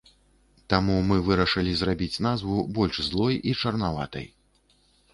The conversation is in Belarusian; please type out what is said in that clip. Таму мы вырашылі зрабіць назву больш злой і і чарнаватай.